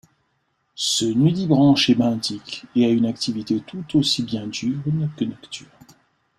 Ce Nudibranche est benthique et a une activité tout aussi bien diurne que nocturne.